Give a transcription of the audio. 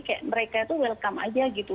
kayak mereka tuh welcome aja gitu